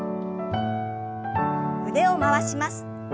腕を回します。